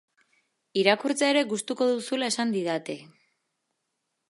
Irakurtzea ere gustuko duzula esan didate.